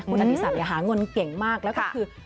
คุณอดีศักดิ์หาเงินเก่งมากแล้วก็คือ